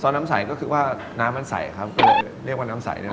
ซอสน้ำใสก็คือว่าน้ำมันใสก็เลยเรียกว่าน้ำใสด้วยนะ